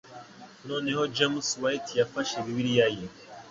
Noneho James White yafashe Bibiliya ye